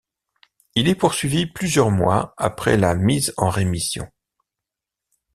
Il est poursuivi plusieurs mois après la mise en rémission.